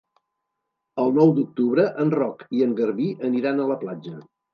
El nou d'octubre en Roc i en Garbí aniran a la platja.